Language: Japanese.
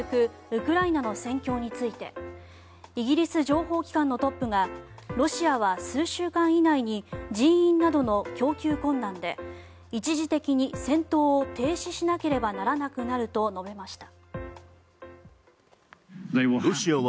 ウクライナの戦況についてイギリス情報機関のトップがロシアは数週間以内に人員などの供給困難で一時的に戦闘を停止しなければならなくなると述べました。